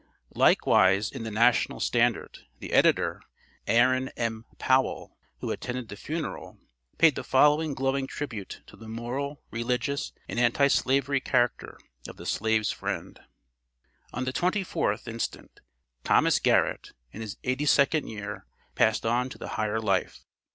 Likewise in the "National Standard," the editor, Aaron M. Powell, who attended the funeral, paid the following glowing tribute to the moral, religious, and anti slavery character of the slave's friend: On the 24th inst., Thomas Garrett, in his eighty second year, passed on to the higher life.